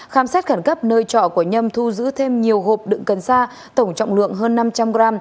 khám xét khẩn cấp nơi trọ của nhâm thu giữ thêm nhiều hộp đựng cẩn xa tổng trọng lượng hơn năm trăm linh g